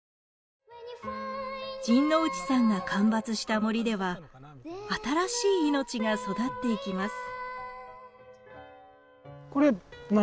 陣内さんが間伐した森では新しい命が育っていきます。